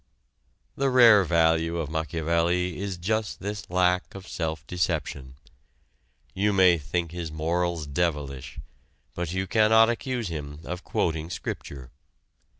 The rare value of Machiavelli is just this lack of self deception. You may think his morals devilish, but you cannot accuse him of quoting scripture.